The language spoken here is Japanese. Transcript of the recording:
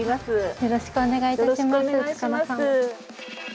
よろしくお願いします。